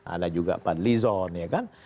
ada juga pak dli zon ya kan